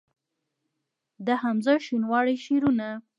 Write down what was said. د حمزه شینواري شعرونه